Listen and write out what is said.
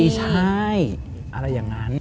ใช่อะไรอย่างนั้น